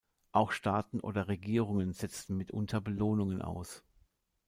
Auch Staaten oder Regierungen setzen mitunter Belohnungen aus.